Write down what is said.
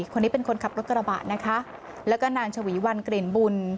คนนี้เป็นคนขับรถกระบะนะคะแล้วก็นางชวีวันกลิ่นบุญ